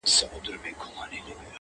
• زمـــا د رسـوايـــۍ كــيســه ـ